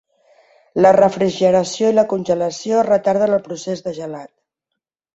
La refrigeració i la congelació retarden el procés de gelat.